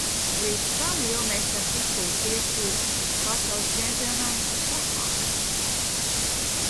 Līdz tam lielmeistara titulu piešķira Pasaules čempionēm šahā.